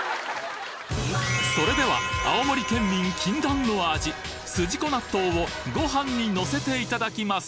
それでは青森県民禁断の味すじこ納豆をごはんにのせていただきます